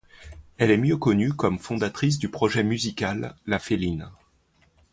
Elle est mieux connue comme fondatrice du projet musical La Féline.